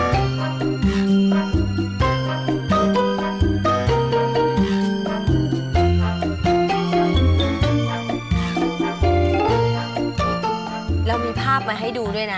เรามีภาพมาให้ดูด้วยนะ